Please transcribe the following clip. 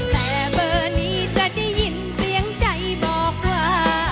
แต่เบอร์นี้จะได้ยินเสียงใจบอกว่า